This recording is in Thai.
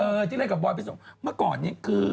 เออที่เล่นกับบอยด์พิศนิมมาก่อนเนี่ยคือ